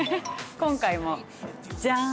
今回も、じゃーん！